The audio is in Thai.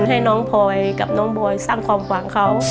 ให้น้องพลอยกับน้องบอยสร้างความหวังเขา